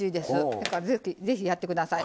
だからぜひやって下さい。